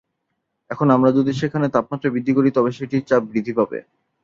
এখন আমরা যদি সেখানে তাপমাত্রা বৃদ্ধি করি তবে সেটির চাপ বৃদ্ধি পাবে।